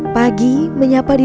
pagi menyapa di